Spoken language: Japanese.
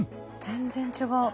全然違う。